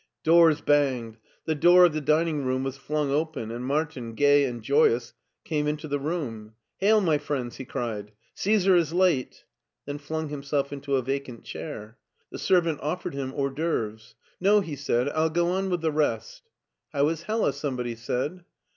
Doors banged. The door of the dining room was flung open and Martin, gay and joyous, came into the room. " Hail, my friends !'' he cried. " Caesar is late !" Then flung himself into a vacant chair. The servant oflFered him hors d^ceuvres. " No," he said, " I'll go on with the rest." " How is Hella ?" somebody said.